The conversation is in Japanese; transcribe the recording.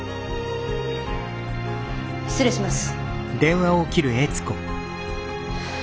失礼します。